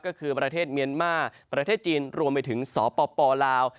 ก็คือประเทศเมียนมาร์ประเทศจีนรวมไปถึงสปลาว